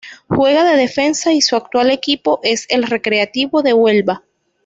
Juega de defensa y su actual equipo es el Recreativo de Huelva.